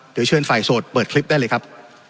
เดี๋ยวเชิญฝ่ายโสดเปิดคลิปได้เลยครับ